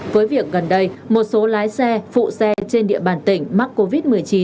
với việc gần đây một số lái xe phụ xe trên địa bàn tỉnh mắc covid một mươi chín